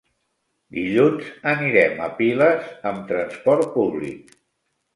Dilluns anirem a Piles amb transport públic.